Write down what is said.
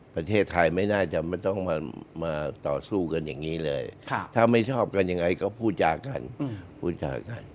ประเทศไทยไม่น่าจะไม่ต้องมาต่อสู้กันอย่างนี้เลยถ้าไม่ชอบกันยังไงก็พูดจากันพูดจากัน